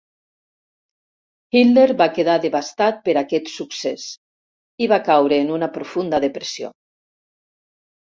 Hitler va quedar devastat per aquest succés i va caure en una profunda depressió.